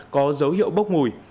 có dấu hiệu bốc mùi